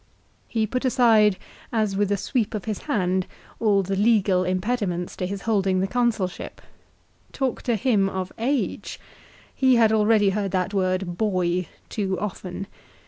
He put aside, as with a sweep of his hand, all the legal impediments to his holding the Consulship. Talk to him of age! He had already heard that word 'boy' too often.